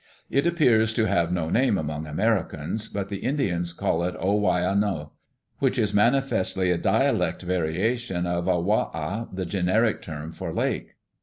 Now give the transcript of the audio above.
It appears to have no name among Americans, but the Indians call it O wai a nuh, which is manifestly a dialectic variation of a wai' a, the generic word for "lake."